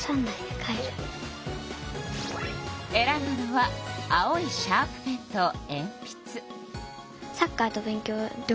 選んだのは青いシャープペンとえんぴつ。